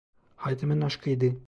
Hayatımın aşkıydı.